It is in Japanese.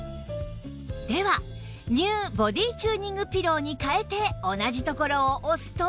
では ＮＥＷ ボディチューニングピローに替えて同じところを押すと